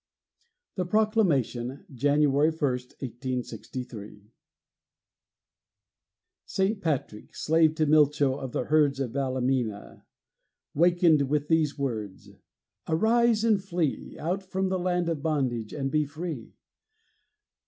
THE PROCLAMATION [January 1, 1863] Saint Patrick, slave to Milcho of the herds Of Ballymena, wakened with these words: "Arise, and flee Out from the land of bondage, and be free!"